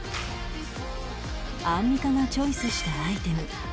アンミカがチョイスしたアイテム